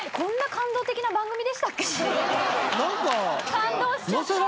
感動しちゃった。